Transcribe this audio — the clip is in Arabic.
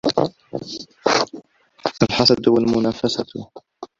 الْحَسَدُ وَالْمُنَافَسَةُ